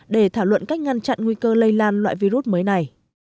để thảo luận cách ngăn chặn nguy cơ lây lan loại virus mới này